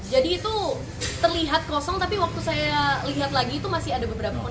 jadi itu terlihat kosong tapi waktu saya lihat lagi itu masih ada beberapa penumpang